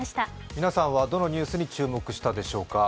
皆さんはどのニュースに注目したでしょうか。